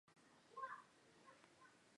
说一个故事